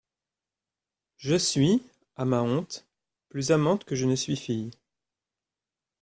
Je suis, à ma honte, plus amante que je ne suis fille.